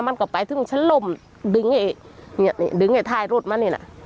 มันก็ไปถึงชั้นล่มดึงไอ้เนี่ยดึงไอ้ท้ายรถมานี่แหละ